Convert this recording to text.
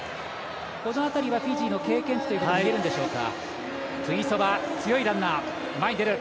この辺りはフィジーの経験値といえるんでしょうか。